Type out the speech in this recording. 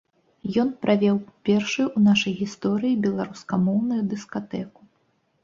Ён правёў першую ў нашай гісторыі беларускамоўную дыскатэку.